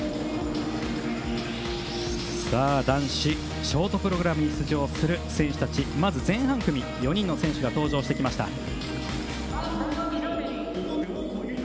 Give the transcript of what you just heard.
男子ショートプログラムに出場する選手たち、まず前半組の４人の選手が登場してきました。